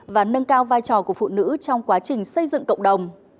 và nâng cao vai trò của phụ nữ trong quá trình xây dựng cộng đồng